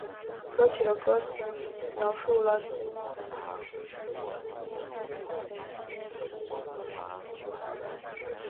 歌曲的歌词描述了斯威夫特结束一段恋情之后差点按捺不住去联系前男友。